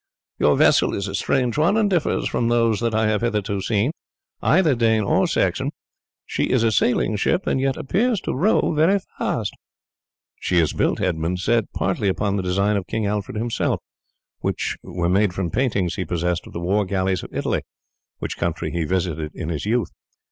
Your vessel is a strange one, and differs from those that I have hitherto seen, either Dane or Saxon. She is a sailing ship, and yet appears to row very fast." "She is built," Edmund said, "partly upon the design of King Alfred himself, which were made from paintings he possessed of the war galleys of Italy, which country he visited in his youth.